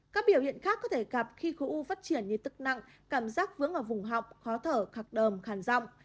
các biểu hiện khác có thể gặp khi khu u phát triển như tức nặng cảm giác vướng vào vùng học khó thở khắc đồm khàn rộng